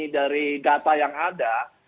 dari data yang ada